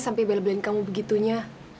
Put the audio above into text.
sampai bel belin kamu begitunya